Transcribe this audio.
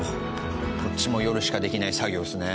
こっちも夜しかできない作業ですね。